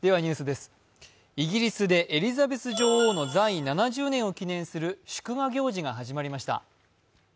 イギリスでエリザベス女王の在位７０年を記念する祝賀行事が始まりました。